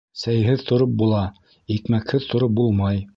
Сәйһеҙ тороп була, икмәкһеҙ тороп булмай.